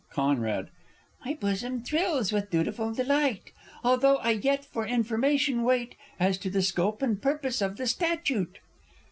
Con. My bosom thrills with dutiful delight Although I yet for information wait As to the scope and purpose of the statute.